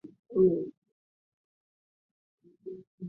天纽珍灯鱼为辐鳍鱼纲灯笼鱼目灯笼鱼科的其中一种。